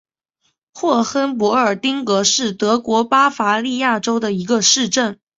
霍亨波尔丁格是德国巴伐利亚州的一个市镇。